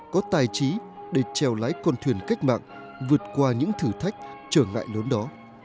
có tài trí để trèo lái con thuyền cách mạng vượt qua những thử thách trở ngại lớn đó